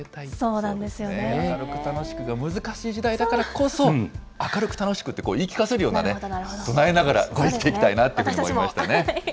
明るく楽しくが難しい時代だからこそ、明るく楽しくって、言い聞かせるようなね、となえながら生きていきたいなと思いましたね。